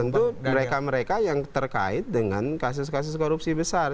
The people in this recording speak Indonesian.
tentu mereka mereka yang terkait dengan kasus kasus korupsi besar